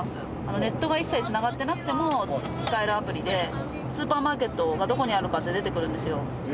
ネットが一切つながってなくても使えるアプリでスーパーマーケットがどこにあるかって出てくるんですよ